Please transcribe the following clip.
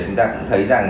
chúng ta cũng thấy rằng